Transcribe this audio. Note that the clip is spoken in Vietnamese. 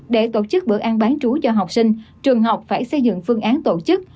để tổ chức bữa ăn bán trú cho học sinh trường học phải xây dựng phương án tổ chức